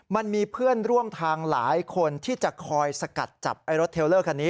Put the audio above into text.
มันมีเพื่อนร่วมทางหลายคนที่จะคอยสกัดจับไอ้รถเทลเลอร์คันนี้